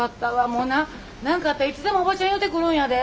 もうな何かあったらいつでもおばちゃんに言うてくるんやで。